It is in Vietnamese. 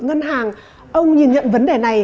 ngân hàng ông nhìn nhận vấn đề này